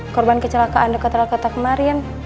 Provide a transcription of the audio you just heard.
korban kecelakaan dekat rakyat kemarin